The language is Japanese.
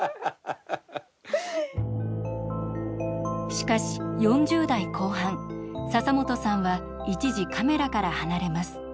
しかし４０代後半笹本さんは一時カメラから離れます。